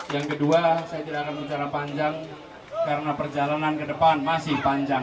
yang kedua saya tidak akan bicara panjang karena perjalanan ke depan masih panjang